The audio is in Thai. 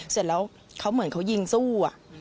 เสร็จแล้วเขาเหมือนเขายิงสู้